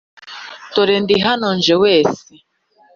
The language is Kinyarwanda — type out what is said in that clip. dore ndi hano nje wese